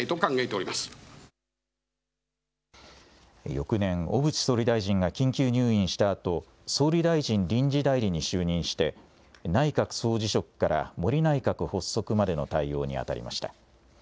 翌年、小渕総理大臣が緊急入院したあと、総理大臣臨時代理に就任して、内閣総辞職から森内閣発足までの対応に当たりました。